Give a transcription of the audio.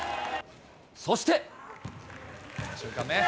そして。